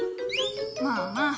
まあまあ。